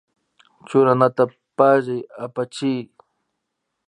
Churanata pallay apachiy